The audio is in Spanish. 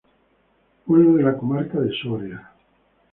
Pueblo de la Comarca de Soria.